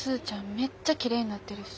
めっちゃきれいになってるし。